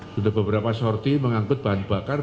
sudah beberapa sorti mengangkut bahan bakar